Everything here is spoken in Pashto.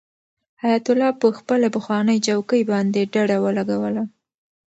حیات الله په خپله پخوانۍ چوکۍ باندې ډډه ولګوله.